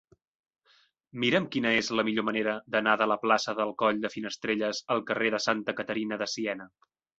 Mira'm quina és la millor manera d'anar de la plaça del Coll de Finestrelles al carrer de Santa Caterina de Siena.